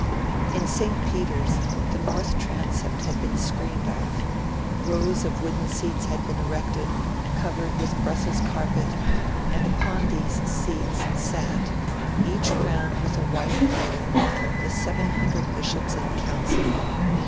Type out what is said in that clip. In St. Peter's, the North Transept had been screened off; rows of wooden seats had been erected covered with Brussels carpet; and upon these seats sat each crowned with a white mitre, the 700 Bishops in Council.